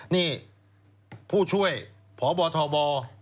นี่ผู้ช่วยพบทบ